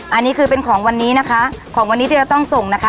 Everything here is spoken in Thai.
อันนี้คือเป็นของวันนี้นะคะของวันนี้ที่จะต้องส่งนะคะ